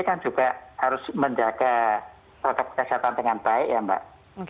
kan juga harus menjaga protokol kesehatan dengan baik ya mbak